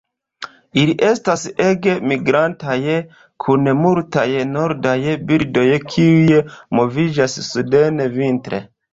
Ili estas ege migrantaj, kun multaj nordaj birdoj kiuj moviĝas suden vintre.